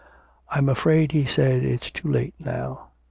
'I'm afraid,' he said, 'it's too late now.'